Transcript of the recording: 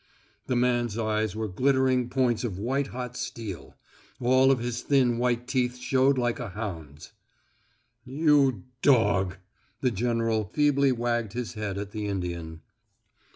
The man's eyes were glittering points of white hot steel. All of his thin white teeth showed like a hound's. "You dog!" The general feebly wagged his head at the Indian.